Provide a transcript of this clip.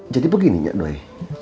jadi begininya doi